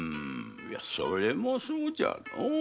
いやそれもそうじゃのう。